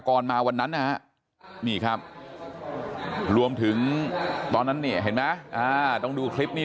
ก่อนมาวันนั้นนะฮะนี่ครับรวมถึงตอนนั้นนี่เห็นไหมต้องดูคลิปนี้